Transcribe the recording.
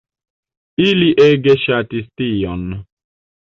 Ili ege ŝatis tion.